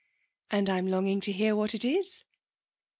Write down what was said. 'And I'm longing to hear what it is.'